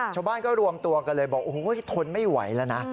ชาวบ้านก็รวมตัวกันเลยบอกโอ้โหทนไม่ไหวแล้วนะ